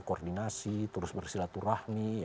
koordinasi terus bersilaturahmi